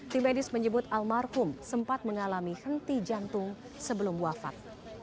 tim medis menyebut almarhum sempat mengalami henti jantung sebelum wafat